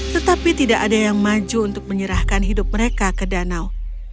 tetapi tidak ada yang maju untuk menyerahkan hidup mereka ke danau